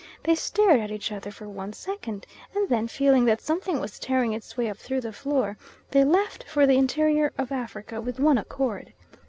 They stared at each other for one second, and then, feeling that something was tearing its way up through the floor, they left for the interior of Africa with one accord.